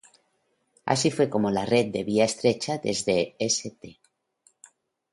Así fue como la red de vía estrecha desde St.